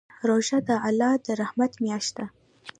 روژه د الله د رحمت میاشت ده.